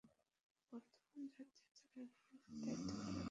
বর্তমানে জাতীয় দলের ম্যানেজারের দায়িত্বে পালন করছেন তিনি।